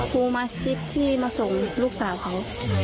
ครูมาคลิปที่มาส่งลูกสาวเขา